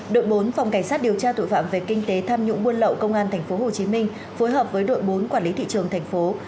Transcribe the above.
đội bốn phòng cảnh sát điều tra tội phạm về kinh tế tham nhũng buôn lậu công an tp hcm phối hợp với đội bốn quản lý thị trường thành phố